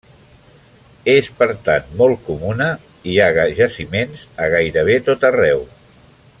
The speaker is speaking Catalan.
És per tant molt comuna i hi ha jaciments a gairebé tot arreu.